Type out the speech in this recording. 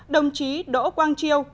đồng chí đỗ quang triêu